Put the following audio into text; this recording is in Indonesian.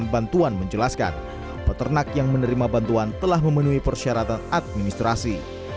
bantuan menjelaskan peternak yang menerima bantuan telah memenuhi persyaratan administrasi